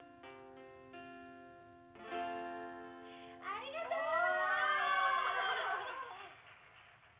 「」「」ありがとう！おお！